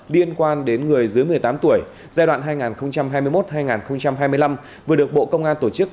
liên quan đến người dưới một mươi tám tuổi giai đoạn hai nghìn hai mươi một hai nghìn hai mươi năm vừa được bộ công an tổ chức